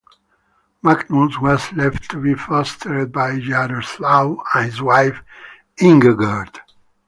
Magnus was left to be fostered by Yaroslav and his wife Ingegerd.